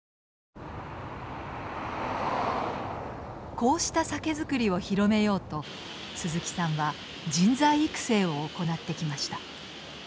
こうした酒造りを広めようと鈴木さんは人材育成を行ってきました。